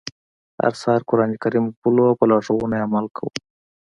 هر سهار قرآن کریم لولو او په لارښوونو يې عمل کوو.